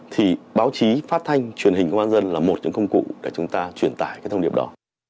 thì báo chí phát thanh truyền hình công an nhân dân là một trong công cụ để chúng ta truyền tải thông điệp đó